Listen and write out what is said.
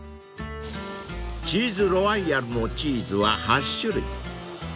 ［チーズロワイヤルのチーズは８種類］